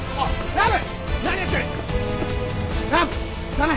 ラブ！